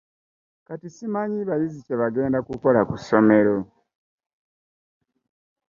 Kati simanyi bayizi kye bagenda kukola ku somero.